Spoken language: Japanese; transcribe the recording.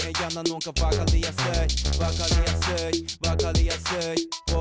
わかりやすいわかりやすい。